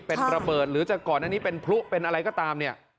เป็นระเบิดหรือจะก่อนอันนี้เป็นพลุเป็นอะไรก็ตามเนี่ย